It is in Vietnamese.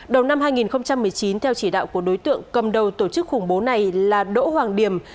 đầu năm hai nghìn một mươi chín theo chỉ đạo của đối tượng cầm đầu tổ chức khủng bố này là đỗ hoàng điểm